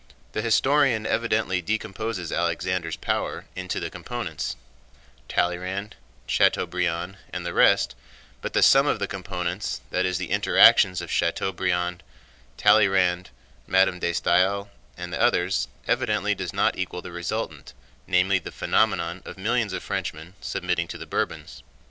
The historian evidently decomposes Alexander's power into the components: Talleyrand, Chateaubriand, and the rest—but the sum of the components, that is, the interactions of Chateaubriand, Talleyrand, Madame de Staël, and the others, evidently does not equal the resultant, namely the phenomenon of millions of Frenchmen submitting to the Bourbons.